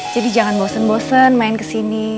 jadi jangan bosen bosen main kesini